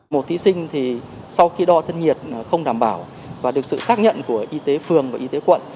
một thí sinh thì sau khi đo thân nhiệt không đảm bảo và được sự xác nhận của y tế phường và y tế quận